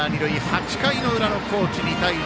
８回の裏の高知、２対１。